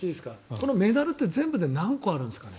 このメダルって全部で何個あるんですかね？